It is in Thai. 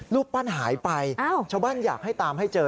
รูปปั้นหายไปชาวบ้านอยากให้ตามให้เจอ